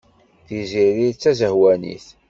Tiziri d tazehwanit.